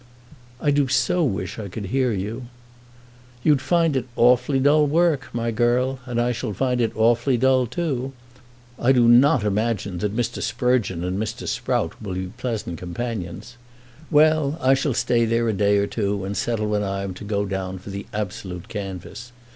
"I do so wish I could hear you." "You'd find it awfully dull work, my girl. And I shall find it awfully dull too. I do not imagine that Mr. Sprugeon and Mr. Sprout will be pleasant companions. Well; I shall stay there a day or two and settle when I am to go down for the absolute canvass.